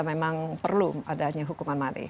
memang perlu adanya hukuman mati